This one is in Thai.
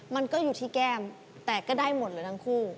มันก็อยู่ที่แก้มแต่ก็ได้หมดเลยทั้งคู่